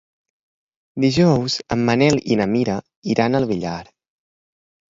Dijous en Manel i na Mira iran al Villar.